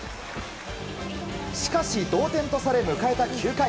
しかし、同点とされ迎えた９回。